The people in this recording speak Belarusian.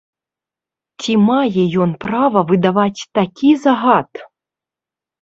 Ці мае ён права выдаваць такі загад?